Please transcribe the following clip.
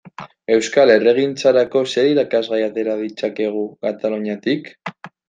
Euskal herrigintzarako zer irakasgai atera ditzakegu Kataluniatik?